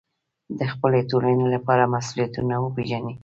د خپلې ټولنې لپاره مسوولیتونه وپېژنئ.